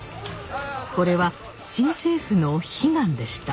これは新政府の悲願でした。